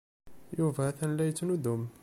Yuba atan la yettnuddum.